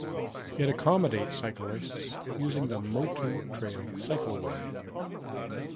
It accommodates cyclists using the Motu Trail cycleway.